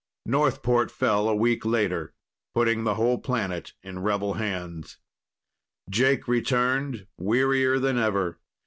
Northport fell a week later, putting the whole planet in rebel hands. Jake returned, wearier than ever.